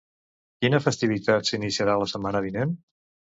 Quina festivitat s'iniciarà la setmana vinent?